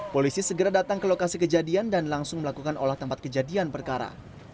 polisi segera datang ke lokasi kejadian dan langsung melakukan olah tempat kejadian perkara